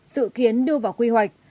sự khiến đưa vào quy hoạch